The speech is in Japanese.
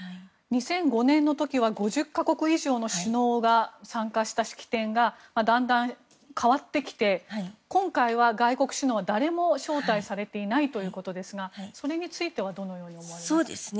２００５年の時は５０か国以上の首脳が参加した式典がだんだん変わってきて今回は外国首脳は誰も招待されていないということですがそれについてはどのように思われますか。